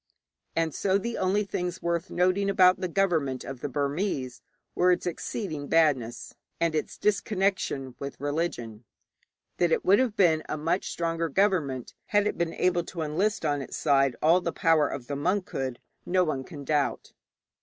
And so the only things worth noting about the government of the Burmese were its exceeding badness, and its disconnection with religion. That it would have been a much stronger government had it been able to enlist on its side all the power of the monkhood, none can doubt.